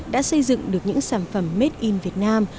đã xây dựng được những sản phẩm made in việt nam